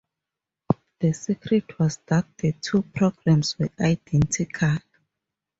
The secret was that the two programs were identical.